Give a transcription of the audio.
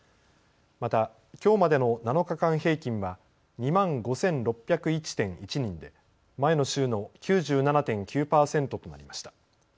また、きょうまでの７日間平均は２万５６０１．１人で前の週の９７．９％となりました。